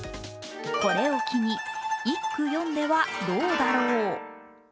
これを機に一句詠んではどうだろう。